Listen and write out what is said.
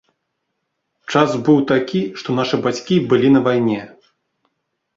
Час быў такі, што нашы бацькі былі на вайне.